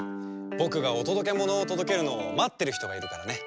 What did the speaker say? ぼくがおとどけものをとどけるのをまってるひとがいるからね。